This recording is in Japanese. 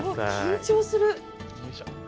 緊張する。